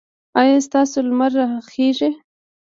ایا ستاسو لمر به راخېژي؟